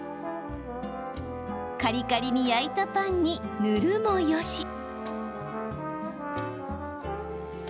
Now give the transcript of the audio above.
カリカリに焼いたパンに塗るもよし。